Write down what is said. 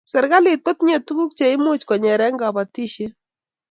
serikalii kotinye tukuuk cheimuch konyere kabotishet